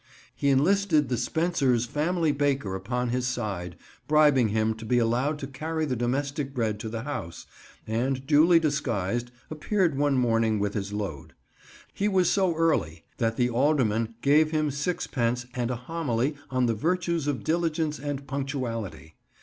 He enlisted the Spencer's family baker upon his side, bribing him to be allowed to carry the domestic bread to the house, and duly disguised appeared one morning with his load. He was so early that the alderman gave him sixpence and a homily on the virtues of diligence and punctuality.